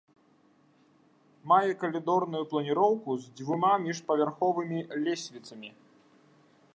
Мае калідорную планіроўку з дзвюма міжпаверхавымі лесвіцамі.